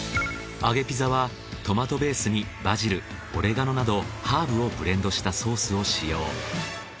あげピザはトマトベースにバジルオレガノなどハーブをブレンドしたソースを使用。